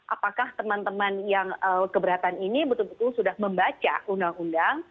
apakah teman teman yang keberatan ini betul betul sudah membaca undang undang